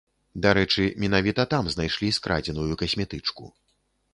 Дарэчы, менавіта там знайшлі скрадзеную касметычку.